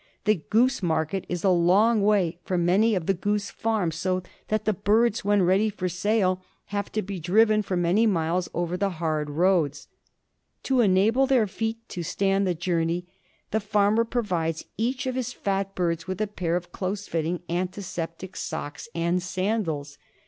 The goose market is a long way from many of the goose farms, so that the birds when ready for sale have to be driven for many miles, over the hard roads. To enable their ANKYLOSTOMIASIS IN MINES. 23 feet to stand the journey, the farmer provides each of his fat birds with a pair of close fitting antiseptic socks and sandals.